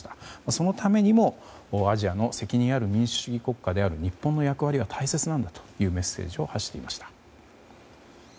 そのためにも、アジアの責任ある民主主義国家である日本の役割が大切なんだというメッセージを発していました。